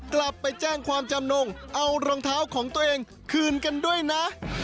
กลับไปแจ้งความจำนงเอารองเท้าของตัวเองคืนกันด้วยนะ